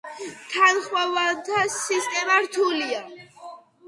თანხმოვანთა სისტემა რთულია.